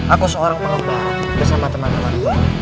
aku seorang pelomba bersama teman teman